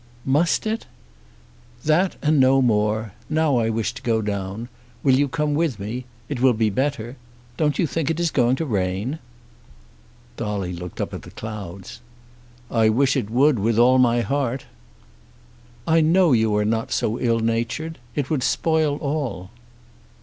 "Must it?" "That and no more. Now I wish to go down. Will you come with me? It will be better. Don't you think it is going to rain?" Dolly looked up at the clouds. "I wish it would with all my heart." "I know you are not so ill natured. It would spoil all."